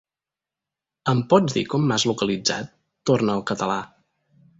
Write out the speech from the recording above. Em pots dir com m'has localitzat? —torna al català.